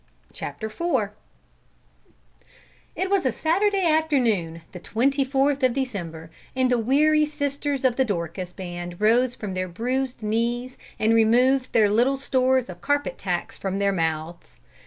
CHAPTER IV It was Saturday afternoon, the twenty fourth of December, and the weary sisters of the Dorcas band rose from their bruised knees and removed their little stores of carpet tacks from their mouths.